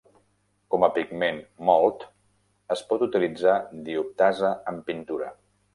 Com a pigment mòlt, es pot utilitzar dioptasa en pintura.